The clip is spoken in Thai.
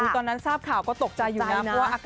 ตอนนั้นทราบข่าวก็ตกใจอยู่นะ